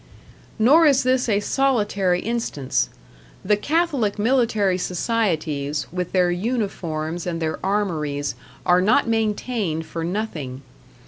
Nor is this a solitary instance. The Catholic military societies, with their uniforms and their armories, are not maintained for nothing.